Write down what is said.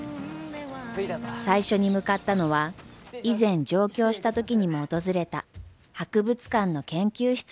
最初に向かったのは以前上京した時にも訪れた博物館の研究室です。